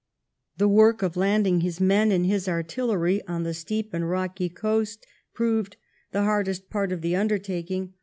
The work of landing his men and his artillery on the steep and rocky coast proved the hardest part of the undertaking.